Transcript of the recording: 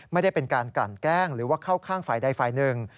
ไม่ได้เป็นการกลั่นแกล้งหรือว่าเข้าข้างฝ่ายใดฝ่ายหนึ่ง